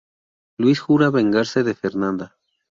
Luis jura vengarse de Fernanda.